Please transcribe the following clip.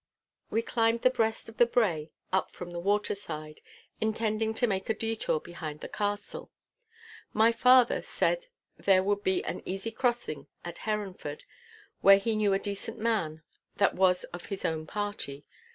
We climbed the breast of the brae up from the waterside, intending to make a detour behind the castle. My father said that there would be an easy crossing at Heronford, where he knew a decent man that was of his own party.